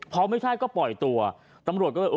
พอไม่ใช่ก็ปล่อยตัวตำรวจก็เลย